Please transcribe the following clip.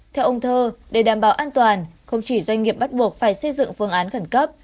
theo ông thơ để đảm bảo an toàn không chỉ doanh nghiệp bắt buộc phải xây dựng phương án khẩn cấp